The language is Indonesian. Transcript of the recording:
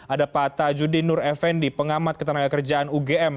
ada pak tajudin nur effendi pengamat ketenagakerjaan ugm